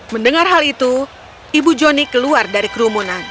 mendengar hal itu ibu joni keluar dari kerumunan